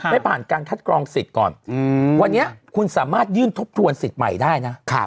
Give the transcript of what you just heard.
ไม่ผ่านการคัดกรองสิทธิ์ก่อนวันนี้คุณสามารถยื่นทบทวนสิทธิ์ใหม่ได้นะ